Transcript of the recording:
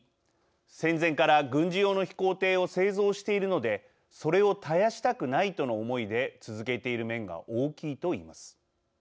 戦前から軍事用の飛行艇を製造しているのでそれを絶やしたくないとの思いで続けている面が大きい」と言います。